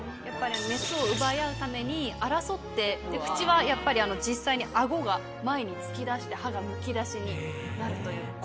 やっぱりメスを奪い合うために争って口はやっぱり実際に顎が前に突き出して歯がむき出しになるという。